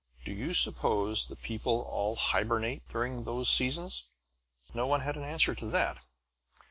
Do you suppose the people all hibernate during those seasons?" But no one had an answer to that.